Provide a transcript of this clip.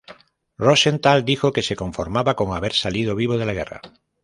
Rosenthal dijo que se conformaba con haber salido vivo de la guerra.